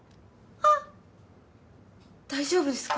あっ大丈夫ですか？